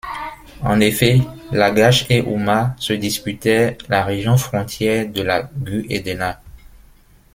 En effet, Lagash et Umma se disputaient la région frontière de la Gu-edenna.